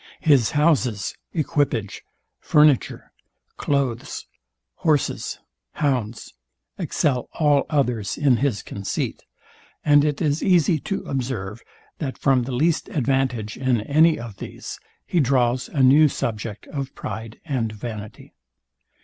His houses, equipage, furniture, doaths, horses, hounds, excel all others in his conceit; and it is easy to observe, that from the least advantage in any of these, he draws a new subject of pride and vanity.